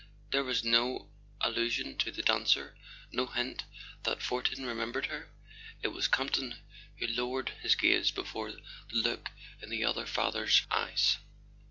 There was no allusion to the dancer, no hint that Fortin remembered her; it was Campton who lowered his gaze before the look in the other father's eyes.